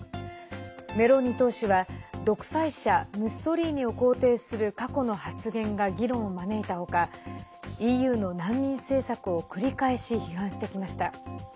メローニ党首は独裁者ムッソリーニを肯定する過去の発言が議論を招いた他ＥＵの難民政策を繰り返し批判してきました。